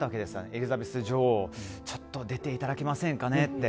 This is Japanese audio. エリザベス女王、ちょっと出ていただけませんかねって。